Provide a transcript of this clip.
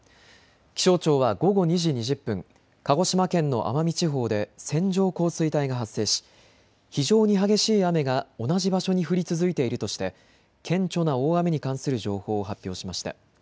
気象庁は午後２時２０分、鹿児島県の奄美地方で線状降水帯が発生し非常に激しい雨が同じ場所に降り続いているとして顕著な大雨に関する情報を発表しました。